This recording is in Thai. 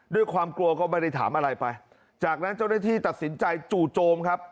ด้วยความกลัวก็ไม่ได้ถามอะไรไปจากนั้นเจ้าหน้าที่ตัดสินใจจู่โจมครับ